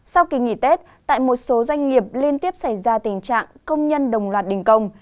sau kỳ nghỉ tết tại một số doanh nghiệp liên tiếp xảy ra tình trạng công nhân đồng loạt đình công